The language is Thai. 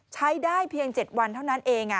ใช้ได้เพียง๗วันเท่านั้นเอง